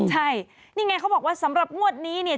ใช่นี่ไงเขาบอกว่าสำหรับงวดนี้เนี่ย